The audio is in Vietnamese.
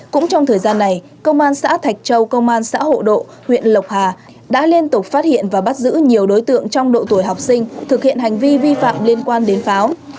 cũng trong thời gian này công an xã thạch châu công an xã hộ độ huyện lộc hà đã liên tục phát hiện và bắt giữ nhiều đối tượng trong độ tuổi học sinh thực hiện hành vi vi phạm liên quan đến pháo